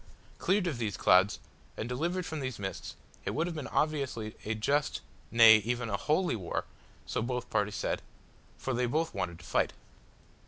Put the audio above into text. Cleared of these clouds, and delivered from those mists, it would have been obviously a just nay, even a holy war so both parties said, for they both wanted to fight.